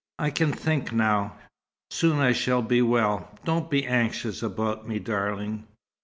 I can think now. Soon I shall be well. Don't be anxious about me, darling."